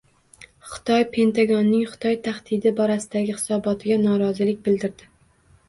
Xitoy Pentagonning Xitoy tahdidi borasidagi hisobotiga norozilik bildirdi